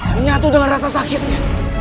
menyatu dengan rasa sakitnya